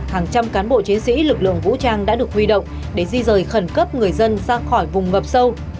hàng trăm cán bộ chiến sĩ lực lượng vũ trang đã được huy động để di rời khẩn cấp người dân ra khỏi vùng ngập sâu